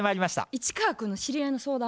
市川君の知り合いの相談？